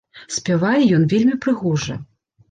Спявае ён вельмі прыгожа.